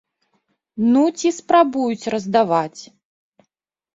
Ну, ці спрабуюць раздаваць.